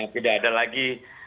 tidak ada lagi